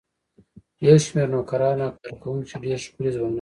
یو شمېر نوکران او کارکوونکي چې ډېر ښکلي ځوانان وو.